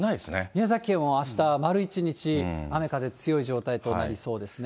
宮崎県はあした、丸一日、雨、風強い状態となりそうですね。